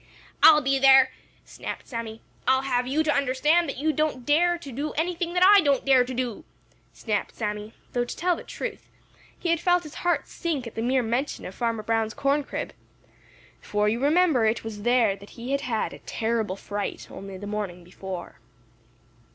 "I'll be there!" snapped Sammy. "I'll have you to understand that you don't dare do anything that I don't dare do!" snapped Sammy, though to tell the truth he had felt his heart sink at the mere mention of Farmer Brown's corn crib, for you remember it was there that he had had a terrible fright only the morning before.